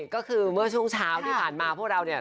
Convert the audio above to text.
ก็คือเมื่อช่วงเช้าที่ผ่านมาพวกเราเนี่ย